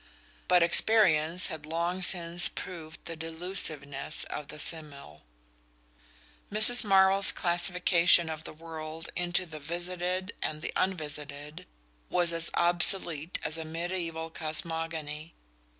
But experience had long since proved the delusiveness of the simile. Mrs. Marvell's classification of the world into the visited and the unvisited was as obsolete as a mediaeval cosmogony.